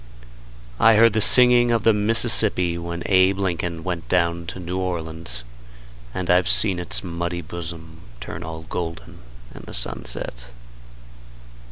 I heard the singing of the Mississippi when Abe Lincoln went down to New Orleans, and I've seen its muddy bosom turn all golden in the sunset.